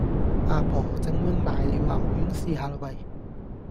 阿婆，整碗瀨尿牛丸試吓啦喂